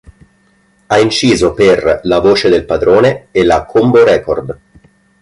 Ha inciso per La voce del padrone e la Combo Record.